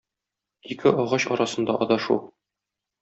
Ике агач арасында адашу.